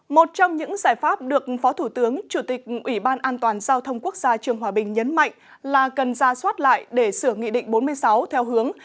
một trong những giải pháp được phó thủ tướng chủ tịch ủy ban an toàn giao thông quốc gia trường hòa bình nhấn mạnh là cần ra soát lại để sửa nghị định bốn mươi sáu theo hướng